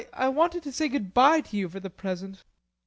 I wanted to say good bye to you for the present.